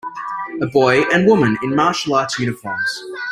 A boy and woman in martial arts uniforms.